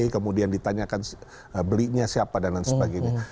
kemudian ditanyakan belinya siapa dan lain sebagainya